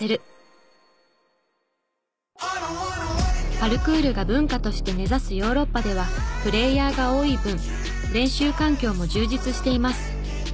パルクールが文化として根差すヨーロッパではプレーヤーが多い分練習環境も充実しています。